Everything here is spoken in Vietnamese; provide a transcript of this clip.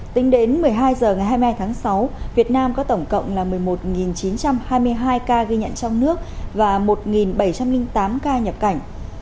tính đến một mươi hai h ngày hai mươi hai tháng sáu việt nam có tổng cộng là một mươi một chín trăm hai mươi hai ca ghi nhận trong nước và một bảy trăm linh tám ca nhập cảnh